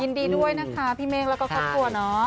ยินดีด้วยนะคะพี่เมฆแล้วก็ครอบครัวเนาะ